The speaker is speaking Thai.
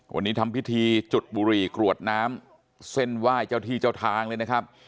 วันนี้ทำพิธีจุดบุหรี่กรวดน้ำเส้นไหว้เจ้าที่เจ้าทางเลยนะครับ